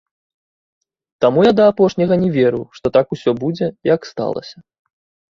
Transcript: Таму я да апошняга не верыў, што так усё будзе, як сталася.